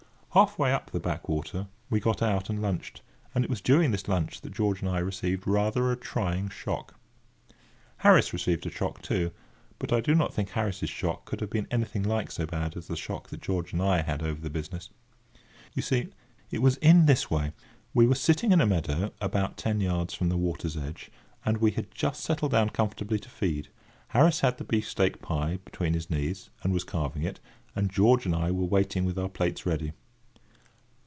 Half way up the backwater, we got out and lunched; and it was during this lunch that George and I received rather a trying shock. Harris received a shock, too; but I do not think Harris's shock could have been anything like so bad as the shock that George and I had over the business. You see, it was in this way: we were sitting in a meadow, about ten yards from the water's edge, and we had just settled down comfortably to feed. Harris had the beefsteak pie between his knees, and was carving it, and George and I were waiting with our plates ready.